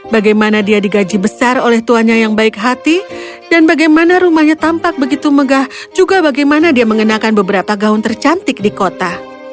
bagaimana dia digaji besar oleh tuanya yang baik hati dan bagaimana rumahnya tampak begitu megah juga bagaimana dia mengenakan beberapa gaun tercantik di kota